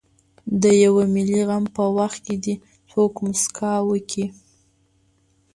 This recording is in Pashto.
د یوه ملي غم په وخت دې څوک مسکا وکړي.